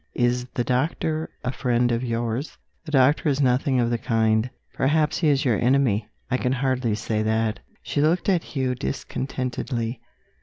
Is the doctor a friend of yours?" "The doctor is nothing of the kind." "Perhaps he is your enemy?" "I can hardly say that." She looked at Hugh discontentedly.